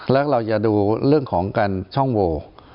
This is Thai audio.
แล้วเราจะดูเรื่องของการช่องโว